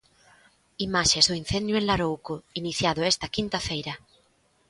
Imaxes do incendio en Larouco iniciado esta quinta feira.